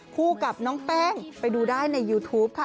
กับน้องแป้งไปดูได้ในยูทูปค่ะ